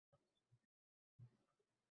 Do'konda esa, molining kusurini aytib sotadigan